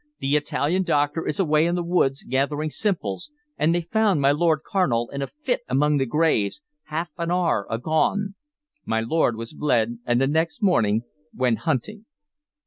"The Italian doctor is away in the woods gathering simples, and they found my Lord Carnal in a fit among the graves, half an hour agone." My lord was bled, and the next morning went hunting.